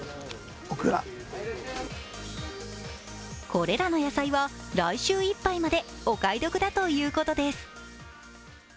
これらの野菜は、来週いっぱいまでお買い得だということです。